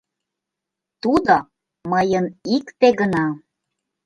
Тудо — мыйын икте гына.